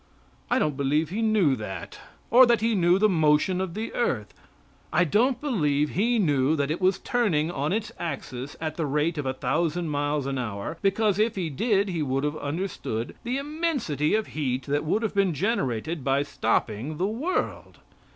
I don't believe he knew that, or that he knew the motion of the earth. I don't believe he knew that it was turning on its axis at the rate of a thousand miles an hour, because if he did, he would have understood the immensity of heat that would have been generated by stopping the world.